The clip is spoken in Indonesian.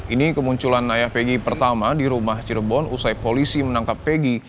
ini kemunculan ayah veg pertama di rumah cirebon usai polisi menangkap pegi